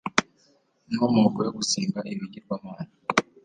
Inkomoko yo gusenga ibigirwamana